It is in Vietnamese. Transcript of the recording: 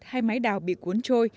hay máy đào bị cuốn trôi